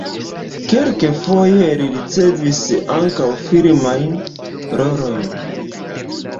Kelkfoje li ricevis ankaŭ filmajn rolojn.